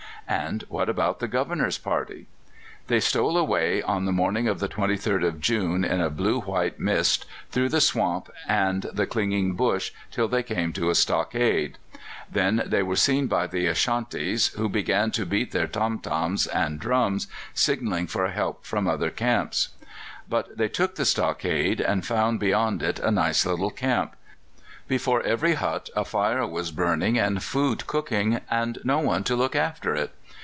And what about the Governor's party? They stole away on the morning of the 23rd of June in a blue white mist, through the swamp and the clinging bush, till they came to a stockade. Then they were seen by the Ashantis, who began to beat their tom toms and drums, signalling for help from other camps. But they took the stockade, and found beyond it a nice little camp; before every hut a fire was burning and food cooking, and no one to look after it.